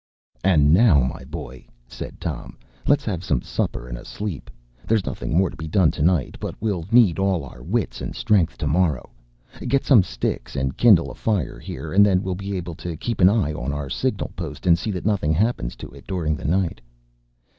“And now, my boy,” said Tom, “let’s have some supper and a sleep. There’s nothing more to be done to night; but we’ll need all our wits and strength to morrow. Get some sticks and kindle a fire here, and then we’ll be able to keep an eye on our signal post, and see that nothing happens to it during the night.